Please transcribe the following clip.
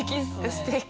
すてき。